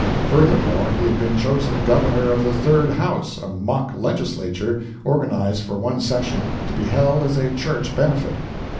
Furthermore, he had been chosen governor of the "Third House," a mock legislature, organized for one session, to be held as a church benefit.